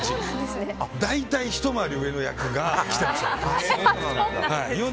大体、ひと回り上の役が来てましたね。